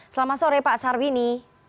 selamat sore pak sarbini